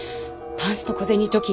パンスト小銭貯金？